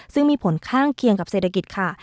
ซึ่งมีผลข้างเคียงกับเศรษฐกิจค่ะ